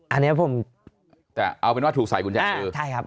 อันนี้ผมแต่เอาเป็นว่าถูกใส่กุญแจมือใช่ครับ